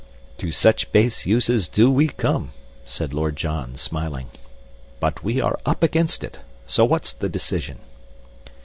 "To such base uses do we come," said Lord John, smiling. "But we are up against it, so what's the decision?"